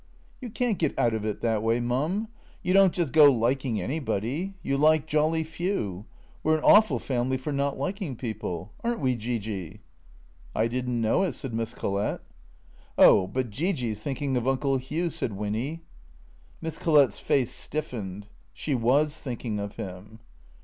"You can't get out of it that way, Mum. You don't just go liking anybody. You like jolly few. We 're an awful family for not liking people. Are n't we, Gee Gee ?"" I did n't know it," said Miss Collett. " Oh, but Gee Gee 's thinking of Uncle Hugh," said Winny. Miss Collett's face stiffened. She was thinking of him.